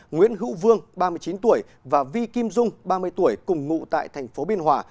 nguyễn hữu vương ba mươi chín tuổi và vi kim dung ba mươi tuổi cùng ngụ tại thành phố biên hòa